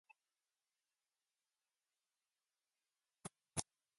This contributes to the rapid rise in the stream during rainfall.